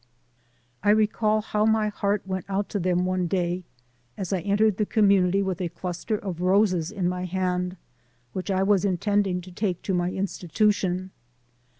I recall how my heart went out to them one day, as I entered the community with a cluster of roses in my hand, which I was intending to take to my institution.